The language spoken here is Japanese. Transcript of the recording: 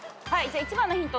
１番のヒント